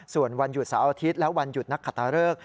ส่วนวันหยุดเสาร์อาทิตย์และวันหยุดนักขัตตาเริก